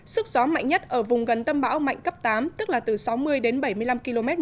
sức gió mạnh nhất ở vùng gần tâm bão mạnh cấp tám tức là từ sáu mươi đến bảy mươi năm km